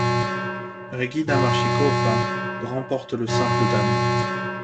Regina Maršíková remporte le simple dames.